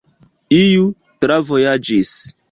Iu travojaĝis.